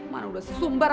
mana udah sesumbar